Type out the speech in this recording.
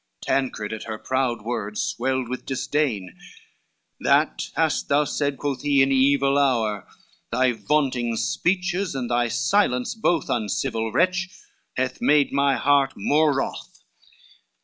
Tancred at her proud words swelled with disdain, "That hast thou said," quoth he, "in evil hour; Thy vaunting speeches, and thy silence both, Uncivil wretch, hath made my heart more wroth."